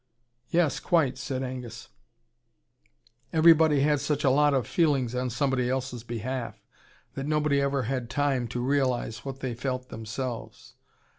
"Yes, quite!" said Angus. "Everybody had such a lot of feelings on somebody else's behalf, that nobody ever had time to realise what they felt themselves.